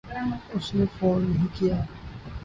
اس نے فون نہیں کیا۔